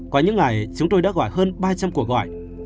có những ngày chúng tôi đã gọi hơn ba trăm linh cuộc gọi